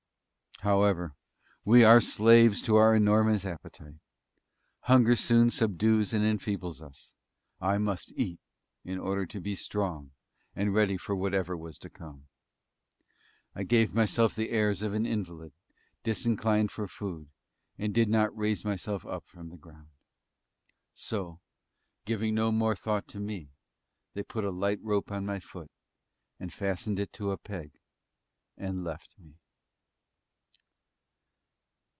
However, we are slaves to our enormous appetite; hunger soon subdues and enfeebles us. I must eat, in order to be strong, and ready for whatever was to come. I gave myself the airs of an invalid, disinclined for food, and did not raise myself up from the ground. So, giving no more thought to me, they put a light rope on my foot and fastened it to a peg, and left me.